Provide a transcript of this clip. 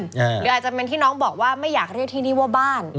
หรืออาจจะเป็นที่น้องบอกว่าไม่อยากเรียกที่นี่ว่าบ้าน